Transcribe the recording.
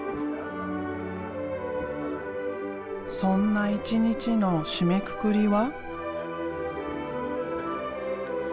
そんな一日の締めくくりは。